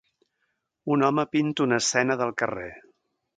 Un home pinta una escena del carrer.